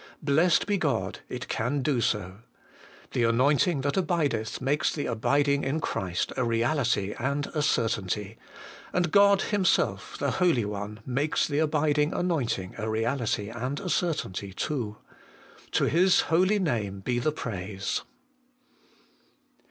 Blessed be God, it can do so ! The anointing that abideth makes the abiding in Christ a reality and a certainty ; and God Himself, the Holy One, makes the abiding anointing a reality and a certainty too. To His Holy Name be the praise